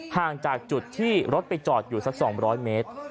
ห่างจากจุดที่รถไปจอดอยู่สัก๒๐๐เมตร